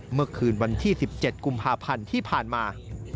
เมื่อคืนวันที่๑๗กุมภาพันธ์ที่ผ่านมา